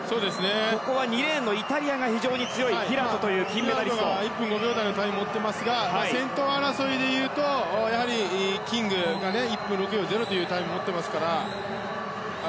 ここは２レーンのイタリアが非常に強いピラトはいいタイムを持ってますが、先頭争いで言うとやはりキングが１分６秒０というタイムを持っていますから。